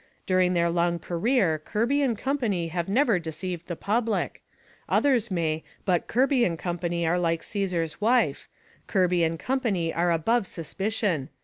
During their long career Kirby and Company have never deceived the public. Others may, but Kirby and Company are like Caesar's wife Kirby and Company are above suspicion.